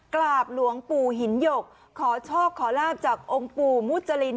กราบหลวงปู่หินหยกขอโชคขอลาบจากองค์ปู่มุจริน